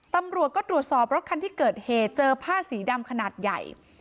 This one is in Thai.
ตำรวจก็ตรวจสอบรถคันที่เกิดเหตุเจอผ้าสีดำขนาดใหญ่